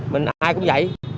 mình ai cũng vậy